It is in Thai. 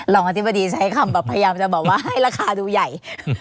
อธิบดีใช้คำแบบพยายามจะบอกว่าให้ราคาดูใหญ่